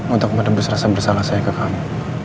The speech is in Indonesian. untuk menebus rasa bersalah saya ke kamu